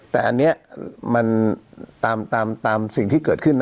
แต่อันนี้มันตามสิ่งที่เกิดขึ้นนะ